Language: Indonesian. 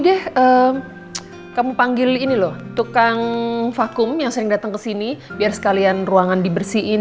deh kamu panggil ini loh tukang vakum yang sering datang ke sini biar sekalian ruangan dibersihin